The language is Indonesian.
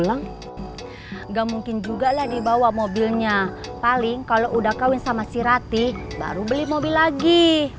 enggak mungkin juga lah dibawa mobilnya paling kalau udah kawin sama sirati baru beli mobil lagi